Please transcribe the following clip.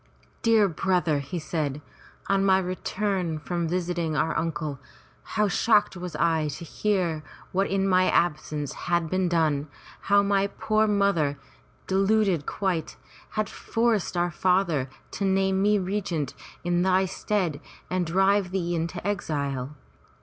"Dear brother," he said, "on my return from visiting our uncle, how shocked was I to hear what in my absence had been done, how my poor mother, deluded quite, had forced our father to name me regent in thy stead and drive thee into exile.